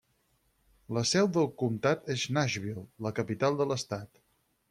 La Seu de comtat és Nashville, la capital de l'estat.